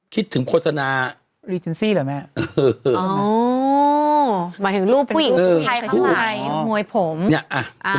คิดถึงโฆษณาหรอแม่อ๋อเหมือนถึงรูปผู้หญิง